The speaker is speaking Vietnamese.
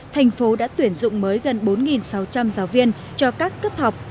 thành phố đã tuyển dụng mới gần bốn sáu trăm linh giáo viên cho các cấp học